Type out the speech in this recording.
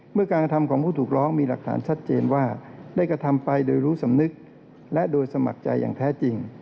เมื่อการกระทำของผู้ถูกร้องมีหลักฐานชัดเจนว่าได้กระทำไปโดยรู้สำนึกและโดยสมัครใจอย่างแท้จริง